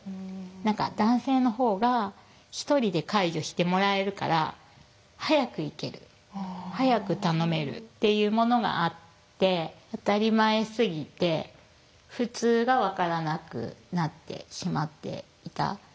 何か男性のほうが１人で介助してもらえるから早く行ける早く頼めるっていうものがあって当たり前すぎて普通が分からなくなってしまっていた。